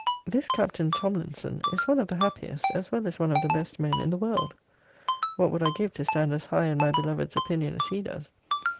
This Captain Tomlinson is one of the happiest as well as one of the best men in the world. What would I give to stand as high in my beloved's opinion as he does!